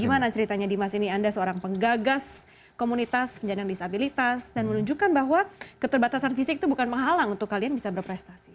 gimana ceritanya dimas ini anda seorang penggagas komunitas penyandang disabilitas dan menunjukkan bahwa keterbatasan fisik itu bukan menghalang untuk kalian bisa berprestasi